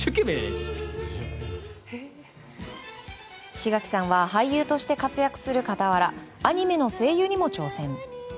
志垣さんは俳優として活躍する傍らアニメの声優にも挑戦。